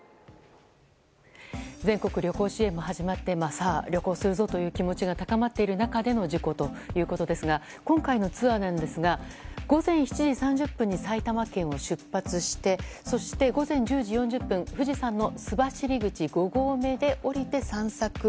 全国旅行支援も始まってさあ、旅行するぞという気持ちが高まっている中での事故ということですが今回のツアーなんですが午前７時３０分に埼玉県を出発してそして、午前１０時４０分富士山の須走口５合目で降りて散策。